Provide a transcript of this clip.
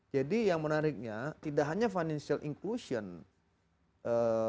jadi yang menariknya tidak hanya financial inclusion untuk perempuan